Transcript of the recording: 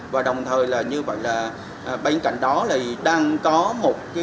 và đồng thời là như vậy là bên cạnh đó là đang có một cái